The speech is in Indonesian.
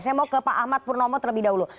saya mau ke pak ahmad purnomo terlebih dahulu